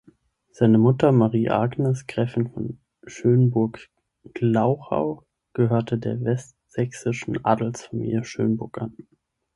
Seine Mutter, Marie-Agnes Gräfin von Schönburg-Glauchau, gehörte der westsächsischen Adelsfamilie Schönburg an.